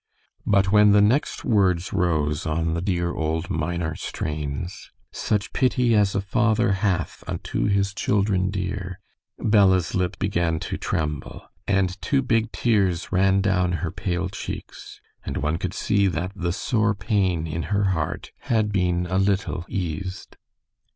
But when the next words rose on the dear old minor strains, "Such pity as a father hath Unto his children dear," Bella's lip began to tremble, and two big tears ran down her pale cheeks, and one could see that the sore pain in her heart had been a little eased.